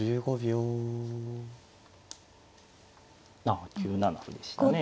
あ９七歩でしたね。